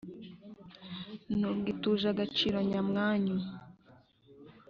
Ntubwo ituje agaciro nya mwanyu,